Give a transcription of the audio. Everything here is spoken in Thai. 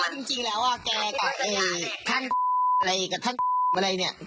แล้วจริงแล้วว่าแกกับไอ้ท่านอะไรกับท่านอะไรเนี่ย